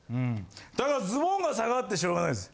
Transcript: だからズボンが下がってしょうがないぜ。